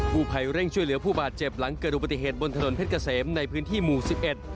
ผู้ภัยเร่งช่วยเหลือผู้บาดเจ็บหลังเกิดอุบัติเหตุบนถนนเพชรเกษมในพื้นที่หมู่สิบเอ็ด